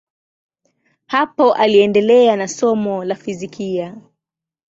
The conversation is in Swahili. Hapo aliendelea na somo la fizikia.